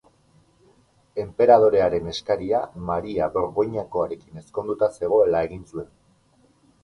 Enperadorearen eskaria Maria Borgoinakoarekin ezkonduta zegoela egin zuen.